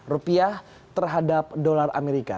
rupiah terhadap dolar amerika